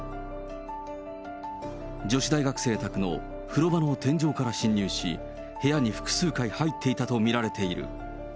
女子大学生宅の風呂場の天井から侵入し、部屋に複数回入っていたと見られている。